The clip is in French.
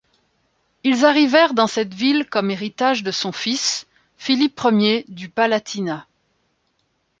Ils arrivèrent dans cette ville comme héritage de son fils, Philippe I du palatinat.